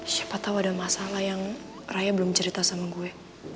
siapa tahu ada masalah yang raya belum cerita sama gue